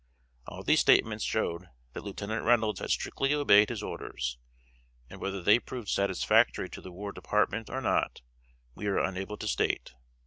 All these statements showed that Lieutenant Reynolds had strictly obeyed his orders; and whether they proved satisfactory to the War Department or not, we are unable to state.